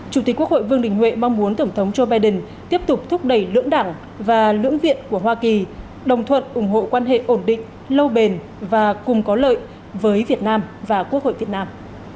chủ tịch quốc hội vương đình huệ mong muốn tổng thống joe biden tiếp tục thúc đẩy lưỡng đảng và lưỡng viện của hoa kỳ đồng thuận ủng hộ quan hệ ổn định lâu bền và cùng có lợi với việt nam và quốc hội việt nam